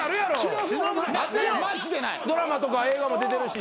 ドラマとか映画も出てるし